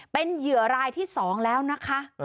เป็นเหยื่อรายที่๒แล้วนะคะ